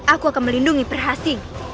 aku akan melindungi perhasing